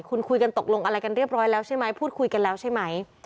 คุณคุยกันตกลงอะไรกันเรียบร้อยแล้วใช่ไหมพูดคุยกันแล้วใช่ไหม